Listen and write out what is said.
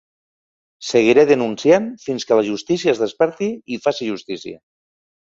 Seguiré denunciant fins que la justícia es desperti i faci justícia!